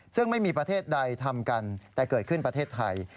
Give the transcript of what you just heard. ซึ่งไม่มีประเทศใดทำกันแต่เกิดขึ้นประเทศไทย